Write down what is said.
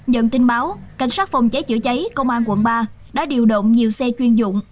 nhận tin báo cảnh sát phòng cháy chữa cháy công an quận ba đã điều động nhiều xe chuyên dụng